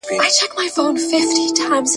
دا تیارې به کله روڼي اوږدې شپې به مي سهار کې `